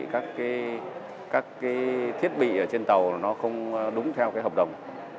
các cái thiết bị ở trên tàu nó không đúng theo cái hợp đồng